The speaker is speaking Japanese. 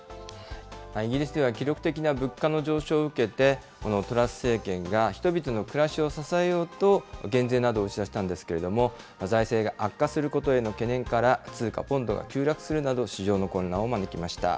イギリスでは記録的な物価の上昇を受けて、このトラス政権が人々の暮らしを支えようと、減税などを打ちだしたんですけれども、財政が悪化することへの懸念から、通貨ポンドが急落するなど、市場の混乱を招きました。